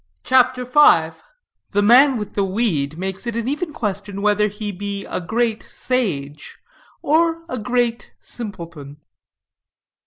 CHAPTER V THE MAN WITH THE WEED MAKES IT AN EVEN QUESTION WHETHER HE BE A GREAT SAGE OR A GREAT SIMPLETON.